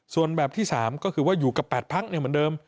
ส่วนแบบที่๓ก็คือว่าอยู่กับ๘พักเหมือนเดิม